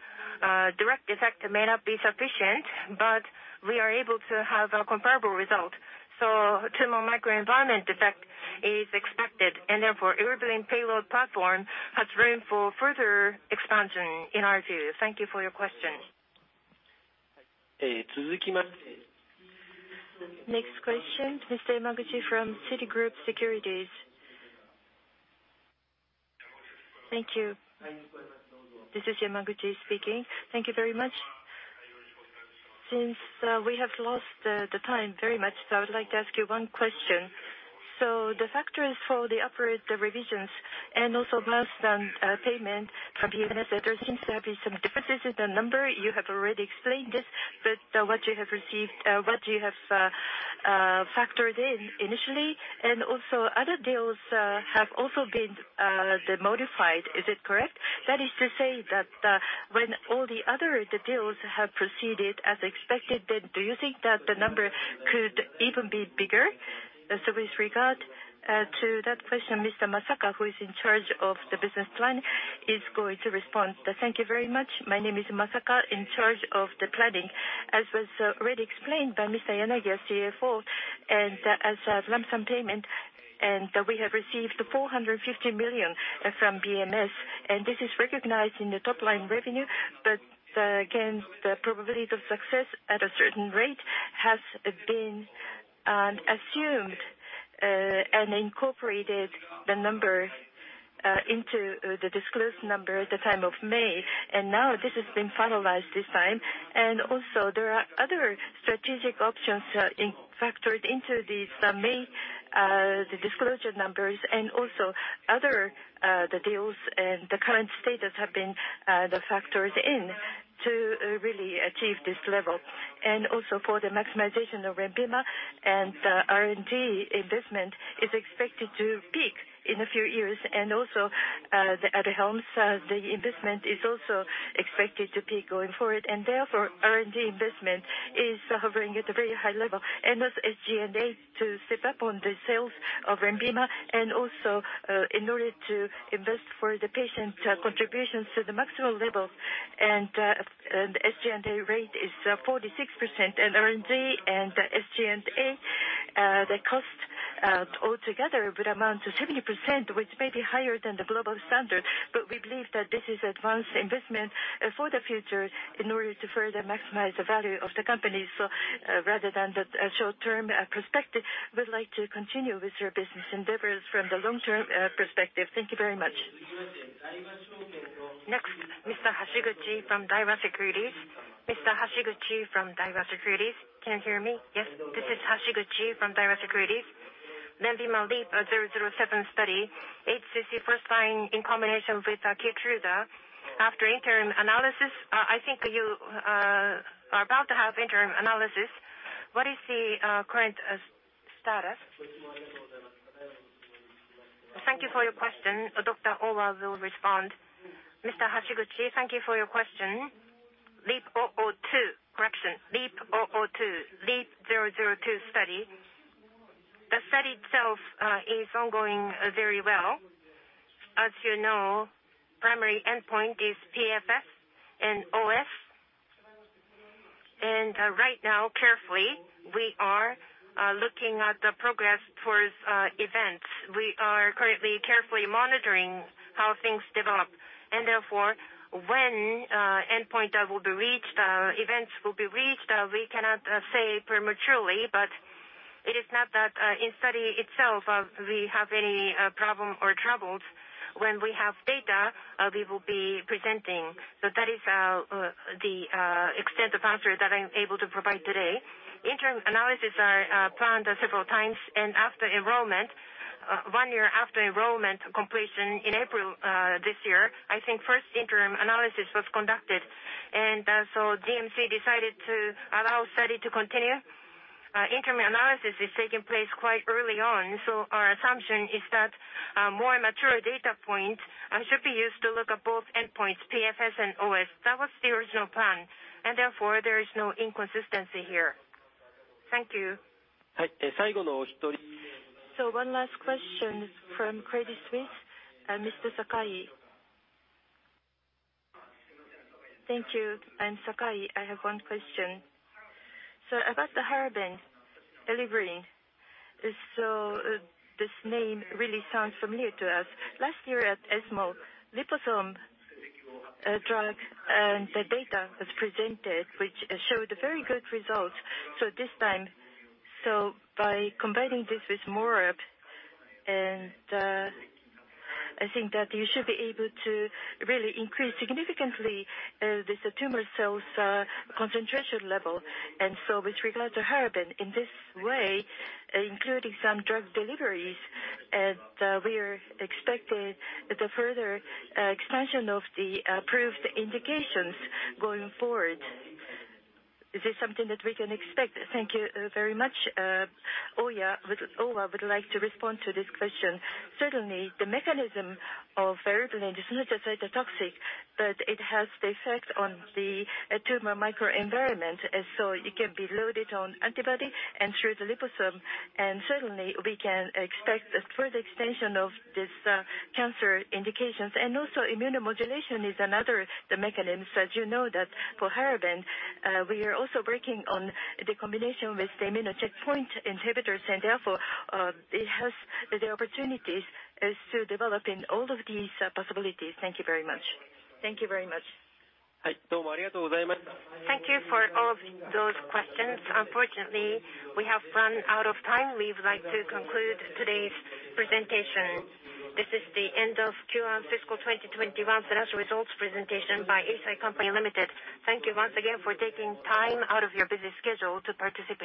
direct effect may not be sufficient, but we are able to have a comparable result. Tumor microenvironment effect is expected, and therefore eribulin payload platform has room for further expansion in our view. Thank you for your question. Next question, Mr. Yamaguchi from Citigroup Securities. Thank you. This is Yamaguchi speaking. Thank you very much. We have lost the time very much. I would like to ask you one question. The factors for the upward revisions and also lump-sum payment from BMS, there seems to be some differences in the number. You have already explained this, but what you have factored in initially, and also other deals have also been modified. Is it correct? That is to say that when all the other deals have proceeded as expected, do you think that the number could even be bigger? With regard to that question, Mr. Masaka, who is in charge of the business plan, is going to respond. Thank you very much. My name is Masaka, in charge of the planning. As was already explained by Mr. Yanagi, our CFO, as a lump-sum payment, we have received $450 million from BMS. This is recognized in the top-line revenue. Again, the probability of success at a certain rate has been assumed and incorporated the number into the disclosed number at the time of May. Now this has been finalized this time. There are other strategic options factored into these, the main disclosure numbers and also other deals and the current status have been factored in to really achieve this level. For the maximization of LENVIMA, R&D investment is expected to peak in a few years. ADUHELM investment is also expected to peak going forward. Therefore, R&D investment is hovering at a very high level and thus SG&A to step up on the sales of LENVIMA and also in order to invest for the patient contributions to the maximum level. SG&A rate is 46% and R&D and SG&A, the cost altogether would amount to 70%, which may be higher than the global standard. We believe that this is advanced investment for the future in order to further maximize the value of the company. Rather than the short-term perspective, we'd like to continue with our business endeavors from the long-term perspective. Thank you very much. Next, Mr. Hashiguchi from Daiwa Securities. Mr. Hashiguchi from Daiwa Securities, can you hear me? Yes. This is Hashiguchi from Daiwa Securities. LENVIMA LEAP-007 study, HCC first-line in combination with KEYTRUDA after interim analysis. I think you are about to have interim analysis. What is the current status? Thank you for your question. Dr. Owa will respond. Mr. Hashiguchi, thank you for your question. Correction, LEAP-002 study. The study itself is ongoing very well. As you know, primary endpoint is PFS and OS. Right now, carefully, we are looking at the progress towards events. We are currently carefully monitoring how things develop and therefore when endpoint will be reached, events will be reached. We cannot say prematurely, but it is not that in study itself we have any problem or troubles. When we have data, we will be presenting. That is the extent of answer that I'm able to provide today. Interim analysis are planned several times and after enrollment, one year after enrollment completion in April this year, I think first interim analysis was conducted, DMC decided to allow study to continue. Interim analysis is taking place quite early on, so our assumption is that more mature data points should be used to look at both endpoints, PFS and OS. That was the original plan and therefore there is no inconsistency here. Thank you. One last question from Credit Suisse. Mr. Sakai. Thank you. I'm Sakai. I have one question. About the HALAVEN eribulin. This name really sounds familiar to us. Last year at ESMO liposome drug, the data was presented which showed very good results. This time, by combining this with MORAb, I think that you should be able to really increase significantly the tumor cells concentration level. With regard to HALAVEN, in this way, including some drug deliveries, we are expecting the further expansion of the approved indications going forward. Is this something that we can expect? Thank you very much. Owa would like to respond to this question. Certainly, the mechanism of eribulin is not just cytotoxic, but it has the effect on the tumor microenvironment. It can be loaded on antibody and through the liposome, and certainly we can expect a further extension of this cancer indications. Immunomodulation is another mechanism, as you know, that for HALAVEN we are also working on the combination with the immune checkpoint inhibitors, therefore it has the opportunities to develop in all of these possibilities. Thank you very much. Thank you for all of those questions. Unfortunately, we have run out of time. We would like to conclude today's presentation. This is the end of Q1 fiscal 2021 financial results presentation by Eisai Co., Ltd. Thank you once again for taking time out of your busy schedule to participate.